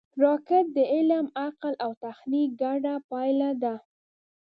راکټ د علم، عقل او تخنیک ګډه پایله ده